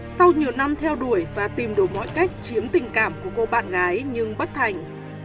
sau nhiều năm theo đuổi và tìm đủ mọi cách chiếm tình cảm của cô bạn gái nhưng bất thành